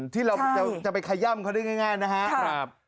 ที่เราจะไปขย่ำเขาได้ง่ายนะครับ